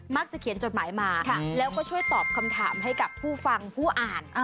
เขียนจดหมายมาแล้วก็ช่วยตอบคำถามให้กับผู้ฟังผู้อ่าน